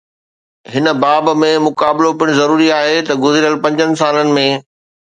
هن باب ۾ مقابلو پڻ ضروري آهي ته گذريل پنجن سالن ۾